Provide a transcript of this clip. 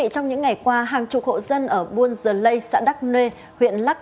trong những ngày qua hàng chục hộ dân ở buôn dờ lây xã đắc nê huyện lắc